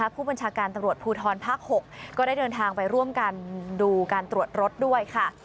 ผู้บัญชาการตำรวจภูทรภาค๖ก็ได้เดินทางไปร่วมกันดูการตรวจรถด้วยค่ะ